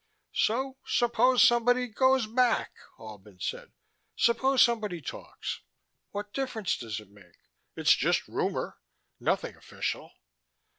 "So suppose somebody goes back," Albin said. "Suppose somebody talks. What difference does it make? It's just rumor, nothing official.